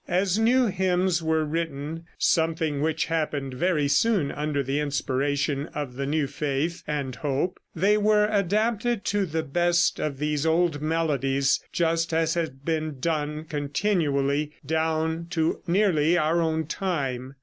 As new hymns were written (something which happened very soon, under the inspiration of the new faith and hope), they were adapted to the best of these old melodies, just as has been done continually down to nearly our own time.